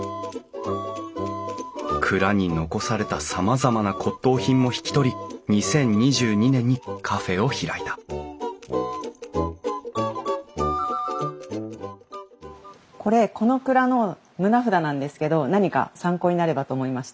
蔵に残されたさまざまな骨董品も引き取り２０２２年にカフェを開いたこれこの蔵の棟札なんですけど何か参考になればと思いまして。